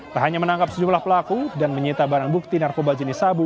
tak hanya menangkap sejumlah pelaku dan menyita barang bukti narkoba jenis sabu